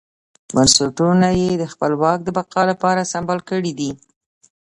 بنسټونه یې د خپل واک د بقا لپاره سمبال کړي دي.